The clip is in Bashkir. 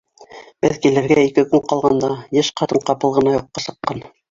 Беҙ килергә ике көн ҡалғанда, йәш ҡатын ҡапыл ғына юҡҡа сыҡҡан.